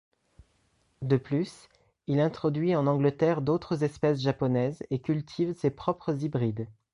De plus, il introduit en Angleterre d'autres espèces japonaises et cultive ses propres hybrides.